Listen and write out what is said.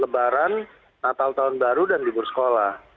lebaran natal tahun baru dan libur sekolah